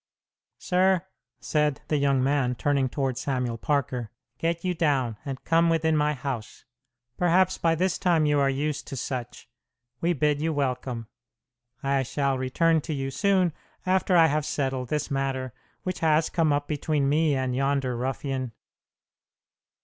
"Sir," said the young man, turning toward Samuel Parker, "get you down, and come within my house. Perhaps by this time you are used to such. We bid you welcome. I shall return to you soon, after I have settled this matter which has come up between me and yonder ruffian."